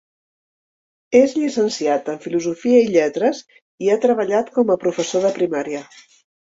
És llicenciat en Filosofia i Lletres i ha treballat com a professor de primària.